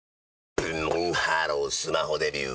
ブンブンハロースマホデビュー！